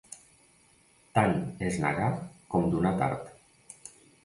Tant és negar com donar tard.